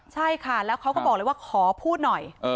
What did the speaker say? ใช่ค่ะแล้วเขาก็บอกเลยว่าขอพูดหน่อย